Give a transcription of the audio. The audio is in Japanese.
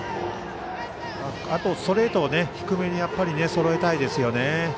あとはストレートを低めにそろえたいですね。